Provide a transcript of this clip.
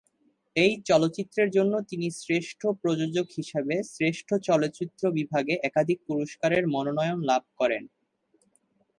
এই চলচ্চিত্রের জন্য তিনি শ্রেষ্ঠ প্রযোজক হিসেবে শ্রেষ্ঠ চলচ্চিত্র বিভাগে একাডেমি পুরস্কারের মনোনয়ন লাভ করেন।